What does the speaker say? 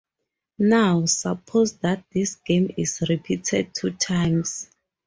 Now, suppose that this game is repeated two times.